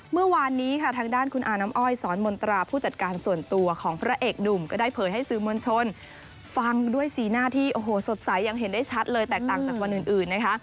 เมื่อวานนี้ค่ะทางด้านคุณอาน้ำอ้อยสอนมนตราผู้จัดการส่วนตัวของพระเอกหนุ่มก็ได้เผยให้สื่อมวลชนฟังด้วยสีหน้าที่โอ้โหสดใสยังเห็นได้ชัดเลยแตกต่างจากวันอื่นนะคะ